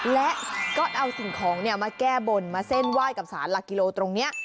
และก็เอาสิ่งของมาแก้บนมาเส้นไหว้กับสารหลักกิโลตรงนี้